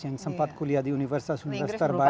yang sempat kuliah di universitas universitas terbaik